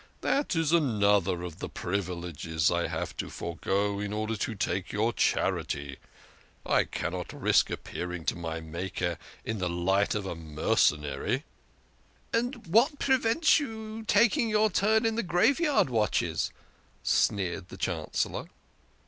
" That is another of the privileges I have to forego in order to take your charity ; I cannot risk appearing to my Maker in the light of a mercenary." 122 THE KING OF SCHNORRERS. " And what prevents you taking your turn in the grave yard watches?" sneered the Chancellor.